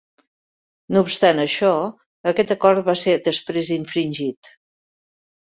No obstant això, aquest acord va ser després infringit.